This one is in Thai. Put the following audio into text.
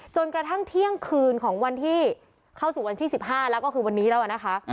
จนกระทั่งเที่ยงคืนของวันที่เข้าสู่วันที่๑๕แล้วก็คือวันนี้แล้วนะคะ